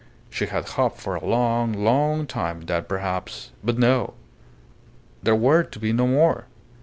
She had hoped for a long, long time, that perhaps But no! There were to be no more.